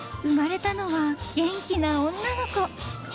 ［生まれたのは元気な女の子］